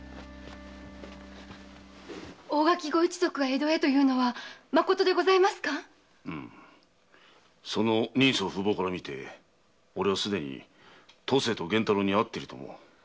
大垣ご一族が江戸へというのはまことですか⁉その人相・風貌からみて俺は既に登世と源太郎に会っていると思う。